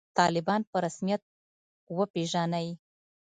طالبان په رسمیت وپېژنئ